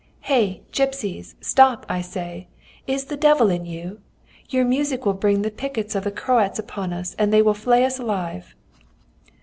"'Hey! gipsies. Stop, I say! Is the devil in you? Your music will bring the pickets of the Croats upon us, and they will flay us alive.'